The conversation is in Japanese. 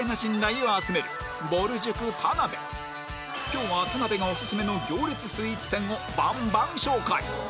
今日は田辺がオススメの行列スイーツ店をバンバン紹介